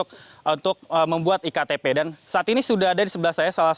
ketika kamuaretkan walang saiz delapan kehendak